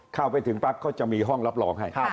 เข้าไปถึงปั๊บเขาจะมีห้องรับรองให้